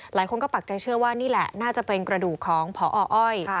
หลายคนก็ปักใจเชื่อว่านี่แหละน่าจะเป็นกระดูกของพออ้อย